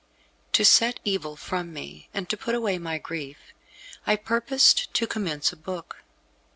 To set evil from me, and to put away my grief, I purposed to commence a book.